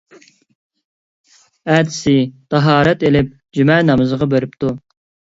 ئەتىسى تاھارەت ئېلىپ جۈمە نامىزىغا بېرىپتۇ.